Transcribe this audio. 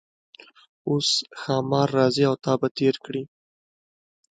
اوس ښامار راځي او تا به تیر کړي.